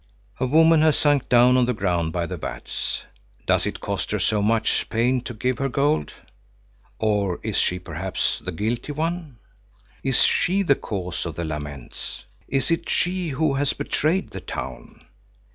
A woman has sunk down on the ground by the vats. Does it cost her so much pain to give her gold? Or is she perhaps the guilty one? Is she the cause of the laments? Is it she who has betrayed the town?